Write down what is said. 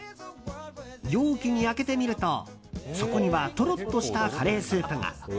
容器に開けてみると、そこにはとろっとしたカレースープが。